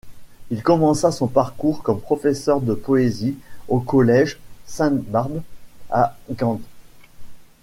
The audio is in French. Il commença son parcours comme professeur de poésie au collège Sainte-Barbe à Gand.